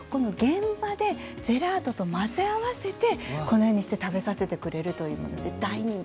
それを現場でジェラートと混ぜ合わせてこのようにして食べさせてくれるというので大人気。